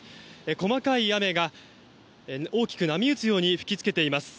細かい雨が、大きく波打つように吹き付けています。